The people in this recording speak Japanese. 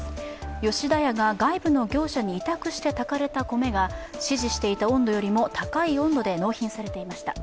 吉田屋が外部の業者に委託して炊かれた米が指示していた温度よりも高い温度で納品されていました。